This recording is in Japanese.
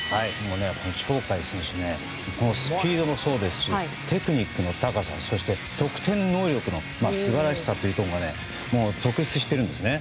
鳥海選手スピードもそうですしテクニックの高さ得点能力の素晴らしさがもう、特筆しているんですね。